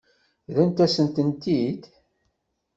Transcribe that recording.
Rrant-asen-tent-id?